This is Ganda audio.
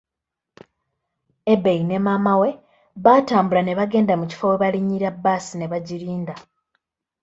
Ebei ne maama we baatambula ne bagenda mu kifo we balinyira bbaasi ne bagirinda.